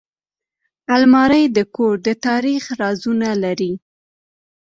الماري د کور د تاریخ رازونه لري